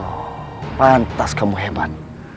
oh pantas kamu hebat